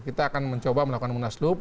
kita akan mencoba melakukan munaslup